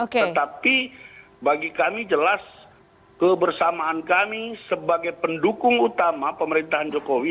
tetapi bagi kami jelas kebersamaan kami sebagai pendukung utama pemerintahan jokowi